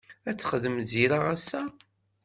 Ad texdem Zira ass-a?